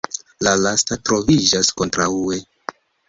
La lasta troviĝas kontraŭe.